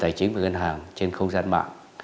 tài chính và ngân hàng trên không gian mạng